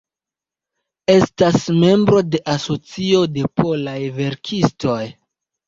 Estas membro de Asocio de Polaj Verkistoj.